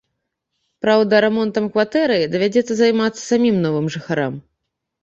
Праўда, рамонтам кватэры давядзецца займацца самім новым жыхарам.